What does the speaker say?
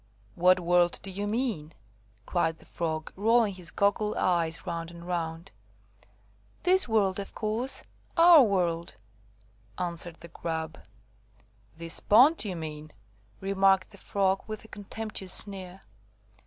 "What world do you mean?" cried the Frog, rolling his goggle eyes round and round. "This world, of course, our world," answered the Grub. "This pond, you mean," remarked the Frog, with a contemptuous sneer.